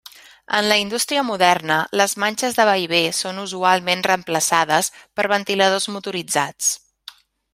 En la indústria moderna les manxes de vaivé són usualment reemplaçades per ventiladors motoritzats.